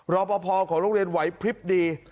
ลูกหลงรอพอของโรงเรียนไหวพริบดี